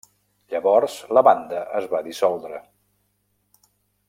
Llavors, la banda es va dissoldre.